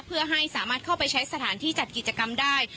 เพื่อให้สามารถเข้าไปใช้สถานที่จัดกิจกรรมได้